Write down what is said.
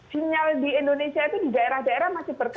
sinyal di indonesia itu di daerah daerah masih berkaca